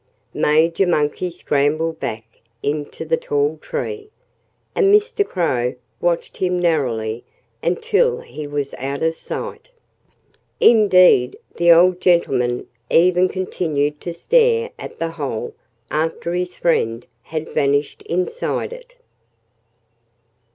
Major Monkey scrambled back into the tall tree. And Mr. Crow watched him narrowly until he was out of sight. Indeed, the old gentleman even continued to stare at the hole after his friend had vanished inside it.